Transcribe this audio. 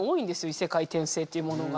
異世界・転生っていうものが。